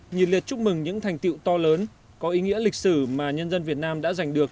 nhìn liệt chúc mừng những thành tiệu to lớn có ý nghĩa lịch sử mà nhân dân việt nam đã giành được